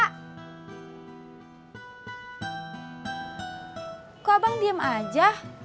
kok abang diem aja